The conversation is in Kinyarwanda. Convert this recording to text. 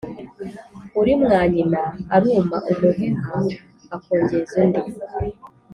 Uri mwanyina aruma umuheha akongeza undi.